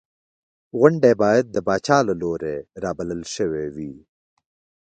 غونډې باید د پاچا له لوري رابلل شوې وې.